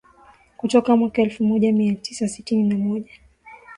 kutoka mwaka elfu moja mia tisa sitini na moja